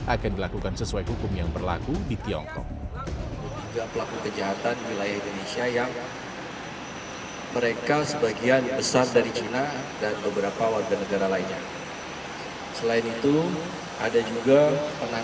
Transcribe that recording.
akan dilakukan oleh pemulangan internasional mabes polri irjen polkrisna murty